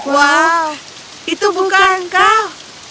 wow itu bukan kau